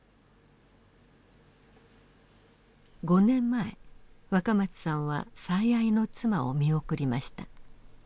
５年前若松さんは最愛の妻を見送りました。